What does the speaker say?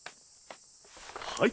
はい。